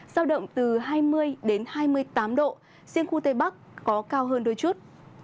giao động từ hai mươi đến hai mươi tám độ riêng khu tây bắc có cao hơn đôi chút